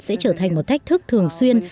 sẽ trở thành một thách thức thường xuyên